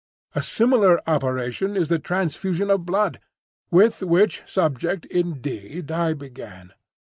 A similar operation is the transfusion of blood,—with which subject, indeed, I began.